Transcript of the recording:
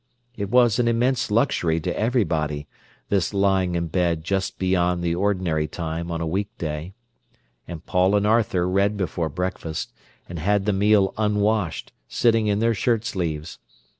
It was an immense luxury to everybody, this lying in bed just beyond the ordinary time on a weekday. And Paul and Arthur read before breakfast, and had the meal unwashed, sitting in their shirt sleeves.